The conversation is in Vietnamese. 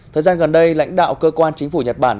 thời gian gần đây lãnh đạo cơ quan chính phủ nhật bản